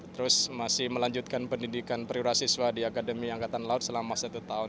terus masih melanjutkan pendidikan perwira siswa di akademi angkatan laut selama satu tahun